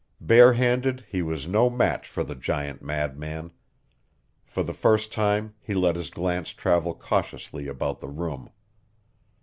Bare handed he was no match for the giant madman. For the first time he let his glance travel cautiously about the room.